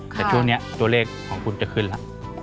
แต่ช่วงนี้ตัวเลขของคุณจะขึ้นแล้ว